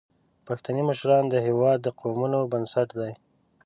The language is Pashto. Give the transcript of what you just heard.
پښتني مشران د هیواد د قومونو بنسټ دي.